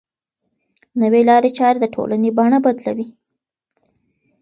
نوې لارې چارې د ټولنې بڼه بدلوي.